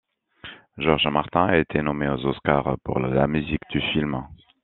George Martin a été nommé aux Oscars pour la musique du film.